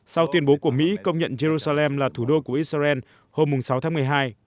sau tuyên bố của mỹ công nhận jerusalem là thủ đô của israel hôm sáu tháng một mươi hai